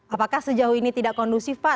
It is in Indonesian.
apakah sejauh ini tidak kondusif pak